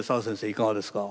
いかがですか？